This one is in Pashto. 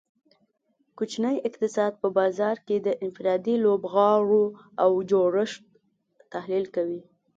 کوچنی اقتصاد په بازار کې د انفرادي لوبغاړو او جوړښت تحلیل کوي